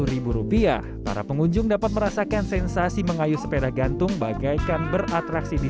rp tiga puluh para pengunjung dapat merasakan sensasi mengayu sepeda gantung bagaikan beratraksi di